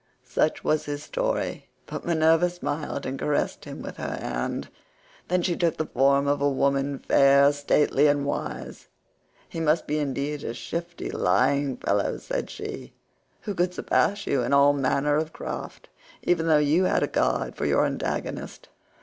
Such was his story, but Minerva smiled and caressed him with her hand. Then she took the form of a woman, fair, stately, and wise, "He must be indeed a shifty lying fellow," said she, "who could surpass you in all manner of craft even though you had a god for your antagonist.